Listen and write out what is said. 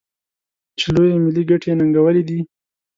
چې لویې ملي ګټې یې ننګولي دي.